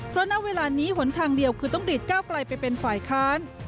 เพราะณเวลานี้หนทางเดียวคือต้องดีดก้าวไกลไปเป็นฝ่ายค้าน